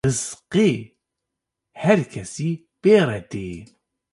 Rizqê her kesî pê re tê